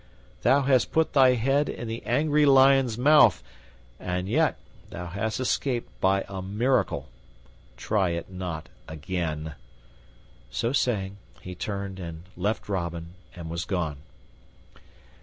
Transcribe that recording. Thou hast put thy head in the angry lion's mouth, and yet thou hast escaped by a miracle. Try it not again." So saying, he turned and left Robin and was gone.